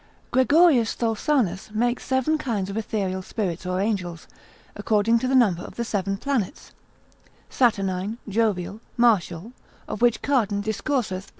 Gregorius Tholsanus makes seven kinds of ethereal spirits or angels, according to the number of the seven planets, Saturnine, Jovial, Martial, of which Cardan discourseth lib.